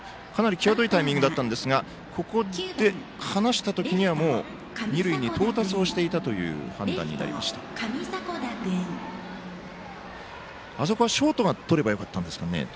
際どいタイミングでしたが離したときには二塁に到達していたという判断になりました、あそこはショートがとればよかったんですかね？